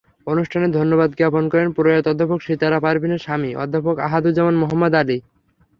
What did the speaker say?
অনুষ্ঠানে ধন্যবাদ জ্ঞাপন করেন প্রয়াত অধ্যাপক সিতারা পারভীনের স্বামী অধ্যাপক আহাদুজ্জামান মোহাম্মদ আলী।